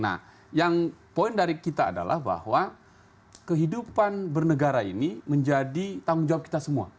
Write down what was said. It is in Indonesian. nah yang poin dari kita adalah bahwa kehidupan bernegara ini menjadi tanggung jawab kita semua